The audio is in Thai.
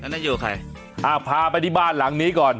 นั่นอยู่กับใครอ่าพาไปที่บ้านหลังนี้ก่อน